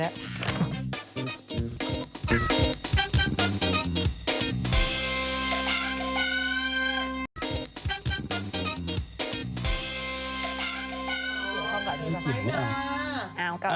ไม่เกลียดนะ